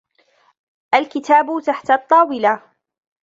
الكتاب تحت الطاولة.